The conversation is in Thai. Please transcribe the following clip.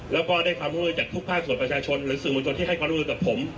แล้วก็ได้ความร่วมมือจากทุกภาคส่วนประชาชนหรือสื่อมวลชนที่ให้ความร่วมมือกับผม